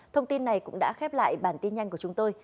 thông tin này cũng đã khép lại bản tin nhanh của chúng tôi